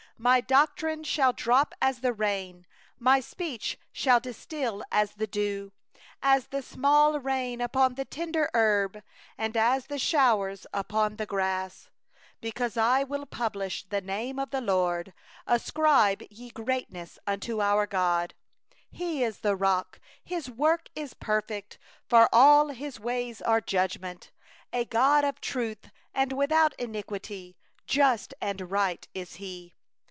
2My doctrine shall drop as the rain, My speech shall distil as the dew; As the small rain upon the tender grass, And as the showers upon the herb. 3For I will proclaim the name of the LORD; Ascribe ye greatness unto our God. 4The Rock, His work is perfect; For all His ways are justice; A God of faithfulness and without iniquity, Just and right is He.